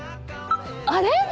あれ？